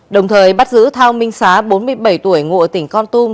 đồng thời bắt giữ thao minh sá bốn mươi bảy tuổi ngụ ở tỉnh con tum